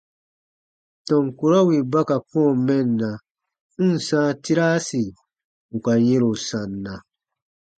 Tɔn kurɔ wì ba ka kɔ̃ɔ mɛnna, n ǹ sãa tiraasi ù ka yɛ̃ro sanna.